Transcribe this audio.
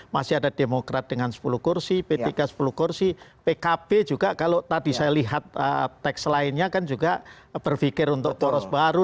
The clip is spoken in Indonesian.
masih ada demokrat dengan sepuluh kursi p tiga sepuluh kursi pkb juga kalau tadi saya lihat teks lainnya kan juga berpikir untuk poros baru